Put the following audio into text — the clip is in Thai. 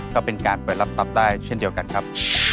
ก็เป็นการเปิดรับทรัพย์ได้เช่นเดียวกันครับ